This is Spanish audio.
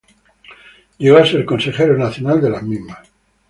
Llegó a ser consejero nacional de las mismas.